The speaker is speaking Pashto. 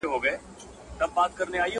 له هري غیږي له هر یاره سره لوبي کوي!